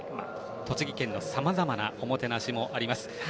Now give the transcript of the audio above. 栃木県のさまざまなおもてなしもあります。